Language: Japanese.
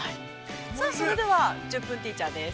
◆さあ、それでは「１０分ティーチャー」です。